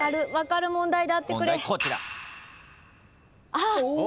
あっ！